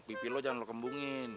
pipi lo jangan lo kembungin